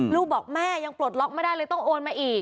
ลูกบอกแม่ยังปลดล็อกไม่ได้เลยต้องโอนมาอีก